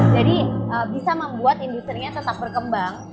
jadi bisa membuat industri nya tetap berkembang